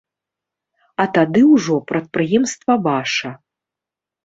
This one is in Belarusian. А тады ўжо прадпрыемства ваша.